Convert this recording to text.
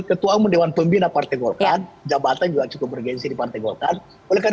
ketua umum dewan pembina partai golkar jabatan juga cukup bergensi di partai golkar oleh karena